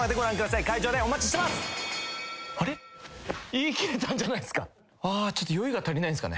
言い切れたんじゃないっすか？